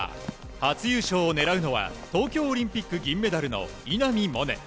初優勝を狙うのは東京オリンピック銀メダルの稲見萌寧。